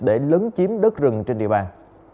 để lấn chiếm đất rừng trên địa bàn